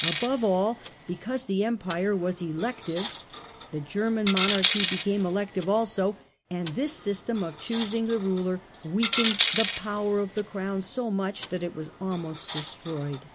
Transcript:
Above all, because the Empire was elective the German Mon archy became elective also, and this system of choosing the ruler weakened the power of the Crown so much that it was almost destroyed.